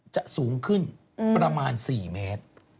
สูงขึ้นประมาณ๔เมตร